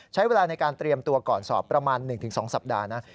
ใช้เวลาในการเตรียมตัวก่อนสอบประมาณ๑๒สัปดาห์นะ